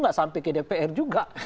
nggak sampai ke dpr juga